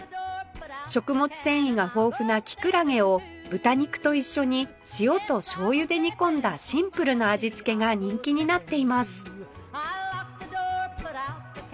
食物繊維が豊富なキクラゲを豚肉と一緒に塩と醤油で煮込んだシンプルな味付けが人気になっています